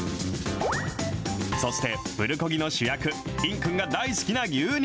そして、プルコギの主役、いんくんが大好きな牛肉。